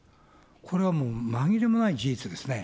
これはもうまぎれもない事実ですね。